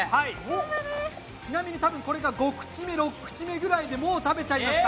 ちなみに多分これが５口目６口目くもう食べちゃいました。